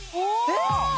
えっ！？